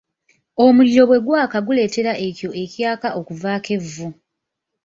Omuliro bwe gwaka guleetera ekyo ekyaka okuvaako evvu.